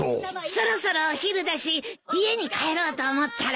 そろそろお昼だし家に帰ろうと思ったら。